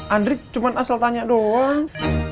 andri cuma asal tanya doang